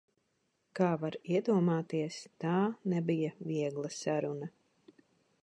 Kā varat iedomāties, tā nebija viegla saruna.